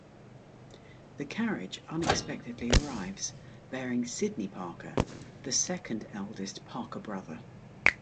A carriage unexpectedly arrives bearing Sidney Parker, the second eldest Parker brother.